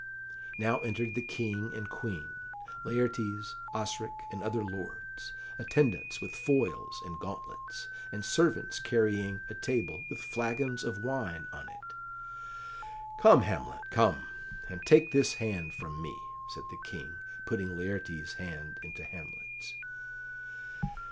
Now entered the King and Queen, Laertes, Osric, and other lords; attendants with foils and gauntlets; and servants carrying a table with flagons of wine on it. "Come, Hamlet, come, and take this hand from me," said the King, putting Laertes's hand into Hamlet's.